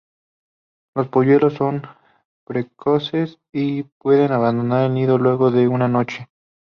Los polluelos son precoces y pueden abandonar el nido luego de una noche.